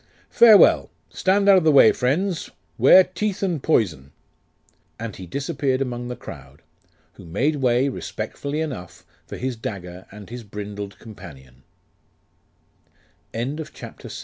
Farewell! Stand out of the way, friends! 'Ware teeth and poison!' And he disappeared among the crowd, who made way respectfully enough for his dagger and his brindled compani